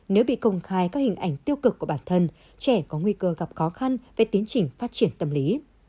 nếu bị công khai các hình ảnh tiêu cực của bản thân trẻ có nguy cơ gặp khó khăn về tiến trình phát triển tâm lý